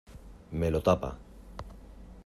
Me lo tapa.